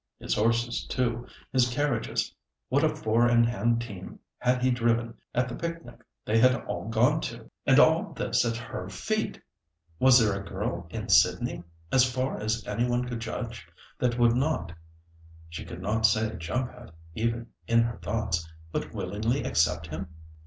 His horses, too, his carriages—what a four in hand team had he driven at the picnic they had all gone to! And all this at her feet! Was there a girl in Sydney—as far as any one could judge—that would not—she could not say "jump at," even in her thoughts—but willingly accept him?